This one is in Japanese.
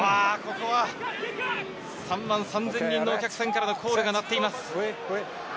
３万３０００人のお客さんからのコールが鳴っています。